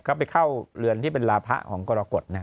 ก็ไปเข้าเรือนที่เป็นลาพะของกรกฎ